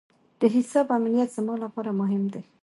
د حساب امنیت زما لپاره مهم دی.